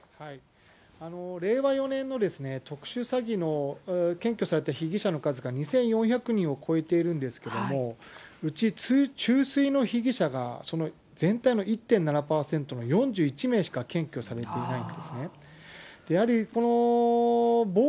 令和４年の特殊詐欺の検挙された被疑者の数が２４００人を超えているんですけれども、うちの被疑者がその全体の１．７％の４１名しか検挙されていないんですね。